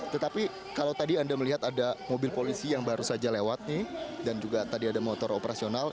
tetapi kalau tadi anda melihat ada mobil polisi yang baru saja lewat nih dan juga tadi ada motor operasional